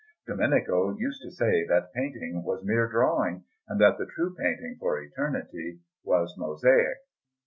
Domenico used to say that painting was mere drawing, and that the true painting for eternity was mosaic.